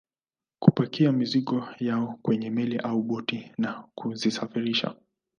Kupakia mizigo yao kwenye meli au boti na kuzisafirisha